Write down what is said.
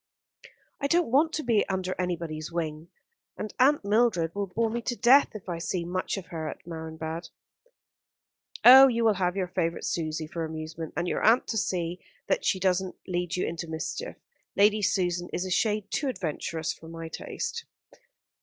"I don't want to be under anybody's wing; and Aunt Mildred will bore me to death if I see much of her at Marienbad." "Oh, you will have your favourite Susie for amusement, and your aunt to see that she doesn't lead you into mischief. Lady Susan is a shade too adventurous for my taste."